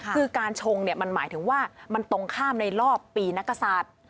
คือการชงมันหมายถึงว่ามันตรงข้ามในรอบปีนักกษัตริย์